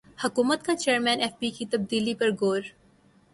حکومت کا chairman F B کی تبدیلی پر غور